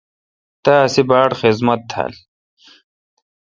تا اسی باڑ خذمت تھال۔